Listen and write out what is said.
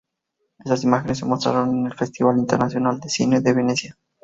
Esas imágenes se mostraron en el Festival Internacional de Cine de Venecia.